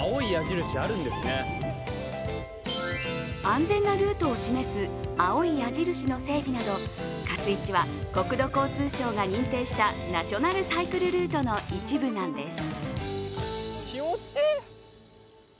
安全なルートを示す青い矢印の整備などかすいちは国土交通省が認定したナショナルサイクルルートの一部なんです。